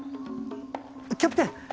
キャプテン！